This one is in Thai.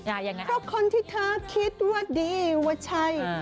ไปกับคนที่คิดว่าดีว่าใช่